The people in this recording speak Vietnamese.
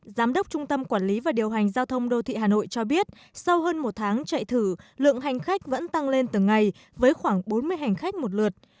giám đốc trung tâm quản lý và điều hành giao thông đô thị hà nội cho biết sau hơn một tháng chạy thử lượng hành khách vẫn tăng lên từng ngày với khoảng bốn mươi hành khách một lượt